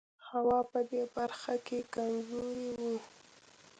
هوا په دې برخه کې کمزوری و.